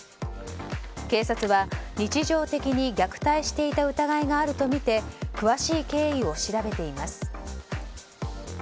警察は日常的に虐待していた疑いがあるとみて詳しい経緯を調べています。